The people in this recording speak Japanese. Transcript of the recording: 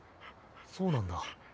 そうなんだ。